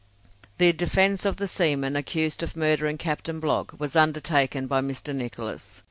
The defence of the seamen accused of murdering Captain Blogg was undertaken by Mr. Nicholas.